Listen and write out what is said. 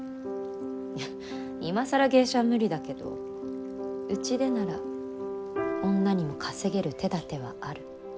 いや今更芸者は無理だけどうちでなら女にも稼げる手だてはある。